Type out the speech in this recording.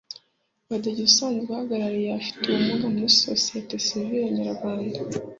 Badege usanzwe uhagarariye abafite ubumuga muri Sosiyete Sivile Nyarwanda